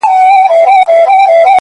دارو د پوهي وخورﺉ کنې عقل به مو وخوري،